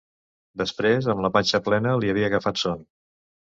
Després, amb la panxa plena, li havia agafat son...